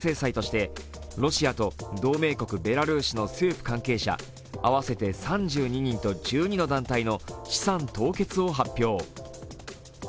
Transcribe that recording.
一方、政府はロシアへの追加制裁として、ロシアと同盟国ベラルーシの政府関係者合わせて３２人と１２の団体の資産凍結を発表。